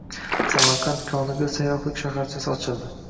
Samarqand Konigil sayyohlik shaharchasi ochildi